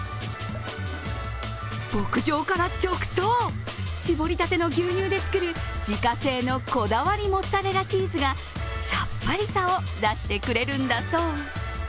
牧場から直送、絞りたての牛乳で作る自家製のこだわりモッツァレラチーズがさっぱりさを出してくれるんだそう。